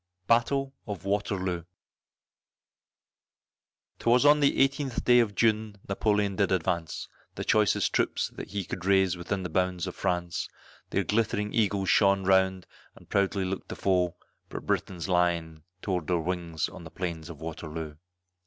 BATTLE OF WATERLOO. 'Twas on the 18th day of June Napoleon did advance, The choicest troops that he could raise within the bounds of France; Their glittering eagles shone around and proudly looked the foe, But Briton's lion tore their wings on the plains of Waterloo.